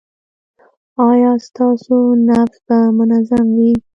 ایا ستاسو نبض به منظم وي؟